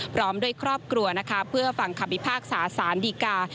พร้อมด้วยครอบครัวเพื่อฝั่งความมิพากษาสารดีกา